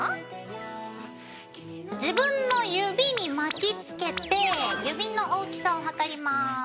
自分の指に巻きつけて指の大きさを測ります。